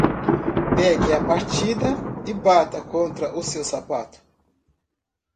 Pegue a partida e bata contra o seu sapato.